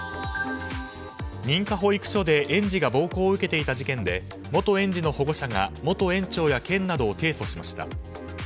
認可保育所で園児が暴行を受けていた事件で元園児の保護者が元園長や県などを提訴しました。